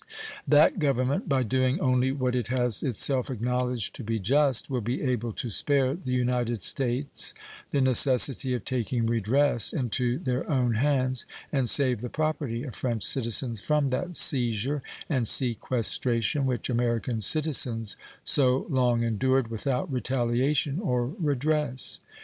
That Government, by doing only what it has itself acknowledged to be just, will be able to spare the United States the necessity of taking redress into their own hands and save the property of French citizens from that seizure and sequestration which American citizens so long endured without retaliation or redress.